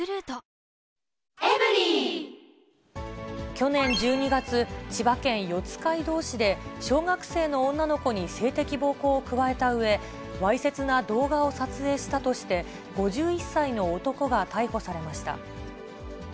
去年１２月、千葉県四街道市で、小学生の女の子に性的暴行を加えたうえ、わいせつな動画を撮影したとして、５１歳の男が逮捕されました。